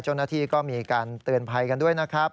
เจ้าหน้าที่ก็มีการเตือนภัยกันด้วยนะครับ